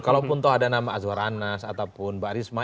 kalaupun tahu ada nama azwar anas ataupun mbak risma